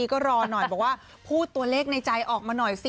ก็รอหน่อยบอกว่าพูดตัวเลขในใจออกมาหน่อยสิ